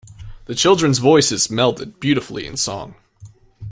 The children’s voices melded beautifully in song.